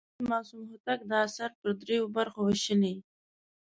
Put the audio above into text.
د استاد معصوم هوتک دا اثر پر درې برخو ویشلی.